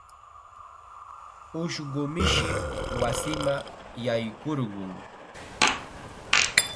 Ushqu mishi wasima yaykurqun.